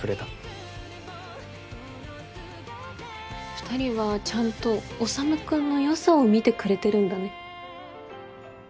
２人はちゃんと修君の良さを見てくれてるんだね。